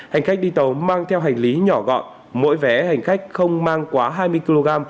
hành khách đi tàu mang theo hành lý nhỏ gọn mỗi vé hành khách không mang quá hai mươi kg